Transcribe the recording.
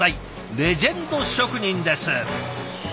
レジェンド職人です。